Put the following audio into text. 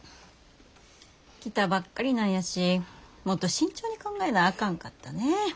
来たばっかりなんやしもっと慎重に考えなあかんかったね。